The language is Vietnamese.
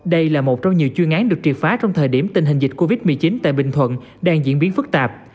đây là một trong nhiều chuyên án được triệt phá trong thời điểm tình hình dịch covid một mươi chín tại bình thuận đang diễn biến phức tạp